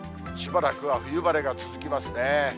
しばらくは冬晴れが続きますね。